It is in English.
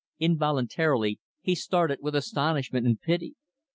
Involuntarily, he started with astonishment and pity.